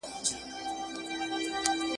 د زده کړي پروسې د پرمختګ په حالت کي دي.